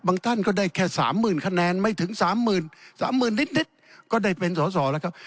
บางท่านก็ได้แค่๓๐๐๐๐คะแนนไม่ถึง๓๐๐๐๐นิดก็ได้เป็นสอสอแล้วครับ